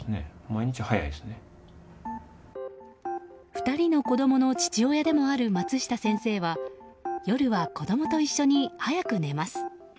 ２人の子供の父親でもある松下先生は夜は子供と一緒に早く寝ます。